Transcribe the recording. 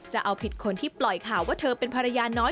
จะเอาผิดคนที่ปล่อยข่าวว่าเธอเป็นภรรยาน้อย